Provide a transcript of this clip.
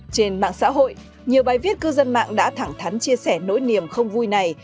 trên mạng xã hội nhiều bài viết cư dân mạng đã thẳng thắn chia sẻ nỗi niềm không vui này